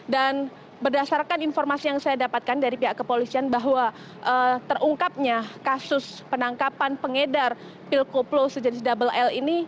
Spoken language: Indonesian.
dan berdasarkan informasi yang saya dapatkan dari pihak kepolisian bahwa terungkapnya kasus penangkapan pengedar pil koplo sejenis double l ini